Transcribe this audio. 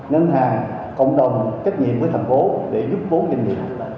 ngân hàng cộng đồng trách nhiệm với thành phố để giúp vốn doanh nghiệp